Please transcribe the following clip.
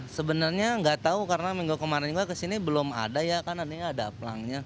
sebenarnya nggak tahu karena minggu kemarin juga kesini belum ada ya kan nantinya ada pelangnya